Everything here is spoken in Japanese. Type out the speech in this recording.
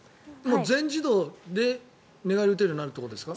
全自動で寝返りを打てるようになるということですか？